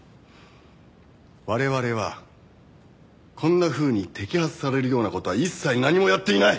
我々はこんなふうに摘発されるような事は一切何もやっていない！